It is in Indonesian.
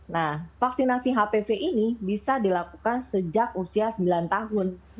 nah vaksinasi hpv ini bisa dilakukan sejak usia sembilan tahun